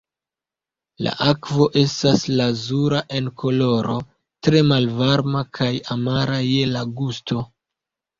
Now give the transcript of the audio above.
La akvo estas lazura en koloro, tre malvarma kaj amara je la gusto.